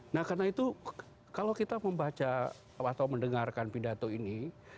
nah karena itu kalau kita membaca atau mendengarkan pidato ini